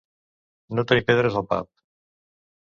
No tenir pedres al pap.